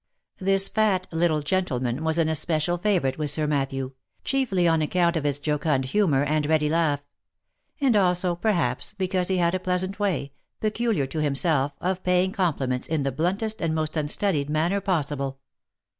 This fat little gentleman was an especial favourite with Sir Mat thew, chiefly on account of his jocund humour and ready laugh ; and also, perhaps, because he had a pleasant way, peculiar to him self, of paying compliments in the bluntest and most unstudied manner possible.